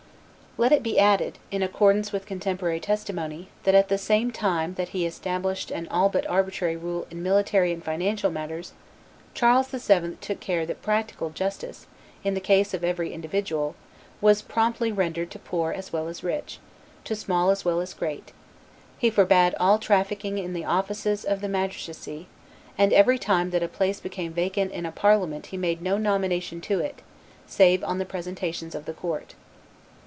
Let it be added, in accordance with contemporary testimony, that at the same time that he established an all but arbitrary rule in military and financial matters, Charles VII. took care that "practical justice, in the case of every individual, was promptly rendered to poor as well as rich, to small as well as great; he forbade all trafficking in the offices of the magistracy, and every time that a place became vacant in a parliament he made no nomination to it, save on the presentations of the court."